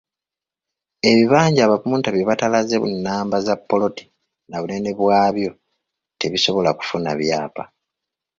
Ebibanja abapunta bye batalaze nnamba za ppoloti na bunene bwabyo tebisobola kufuna byapa.